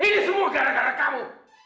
pilih semua gara gara kamu